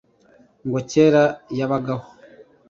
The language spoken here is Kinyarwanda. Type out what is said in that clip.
Ngo kera yabagaho